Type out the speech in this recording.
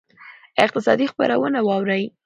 اقتصادي خبرونه واورئ.